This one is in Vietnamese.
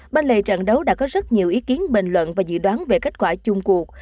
bên lề trận đấu đã có rất nhiều ý kiến bình luận và dự đoán về kết quả chung cuộc